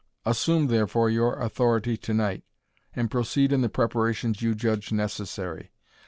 Assume, therefore, your authority to night, and proceed in the preparations you judge necessary.